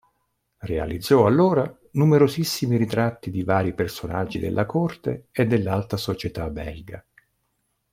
Realizzò allora numerosissimi ritratti di vari personaggi della corte e dell'alta società belga.